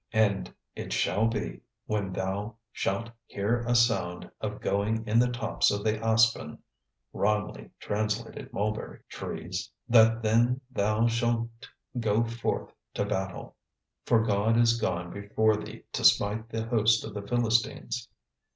"And it shall be, when thou shalt hear a sound of going in the tops of the aspen [wrongly translated mulberry] trees, that then thou shalt go forth to battle; for God is gone before thee to smite the host of the Philistines."